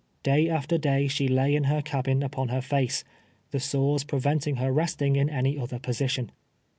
Day after day she lay in her cabin upon her face, the sores preventing her resting in any other position.